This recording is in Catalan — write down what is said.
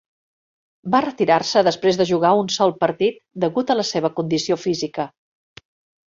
Va retirar-se després de jugar un sol partit degut a la seva condició física.